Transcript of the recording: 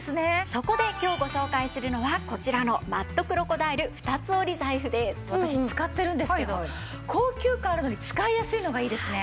そこで今日ご紹介するのはこちらの私使ってるんですけど高級感あるのに使いやすいのがいいですね。